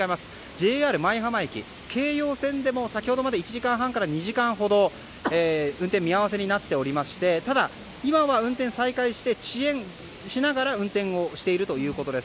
それからＪＲ舞浜駅京葉線でも先ほどまで１時間半から２時間ほど運転見合わせになっておりましてただ、今は運転再開して遅延しながら運転をしているということです。